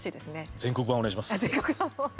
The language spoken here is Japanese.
全国版お願いします。